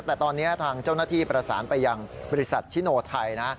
แต่ตอนนี้ทางเจ้าหน้าที่ประสานไปยังบริษัทชิโนไทยนะ